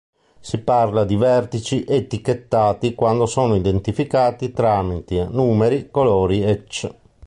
Si parla di vertici "etichettati" quando sono identificati tramite numeri, colori, ecc.